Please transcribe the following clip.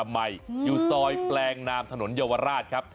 ร้านละมัยอยู่ซอยแปลงนามถนนเยาวราชครับ